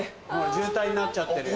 渋滞になっちゃってるよ。